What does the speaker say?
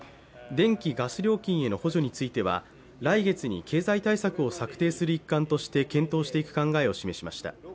電気・ガス料金への補助については来月に経済対策を策定する一環として検討していく考えを示しました